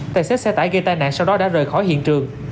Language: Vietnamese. tài xế xe tải gây tai nạn sau đó đã rời khỏi hiện trường